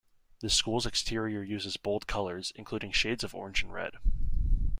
The school's exterior uses bold colors, including shades of orange and red.